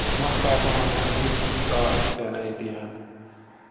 Mahtaakohan hän muistuttaa yhtään äitiään?